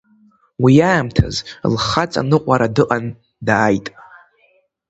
Уиаамҭаз лхаҵа ныҟәара дыҟан, дааит.